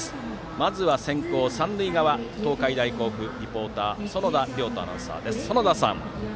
まずは先攻、三塁側東海大甲府リポーターは園田遼斗アナウンサーです。